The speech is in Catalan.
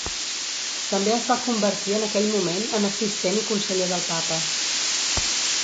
També es va convertir en aquell moment en assistent i conseller del Papa.